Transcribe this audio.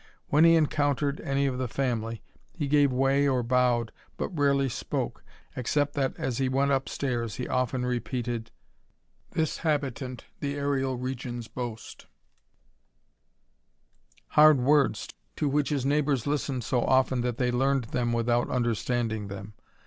When he encountered aay of the family, he gave way or bowed, but rarely spok^i^ except that as he went up stairs he often repeated, *' Oj hviprara dtb/Jtara fdta.'* *' This habitant th' aerial regions boast : hard words, to which his neighbours listened so often tha'^ they learned them without understanding them.